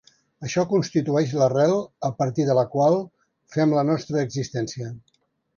Açò constitueix l'arrel a partir de la qual fem la nostra existència.